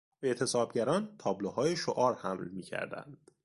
اعتصابگران تابلوهای شعار حمل میکردند.